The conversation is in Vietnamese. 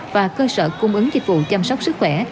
và cơ sở cung ứng dịch vụ chăm sóc sức khỏe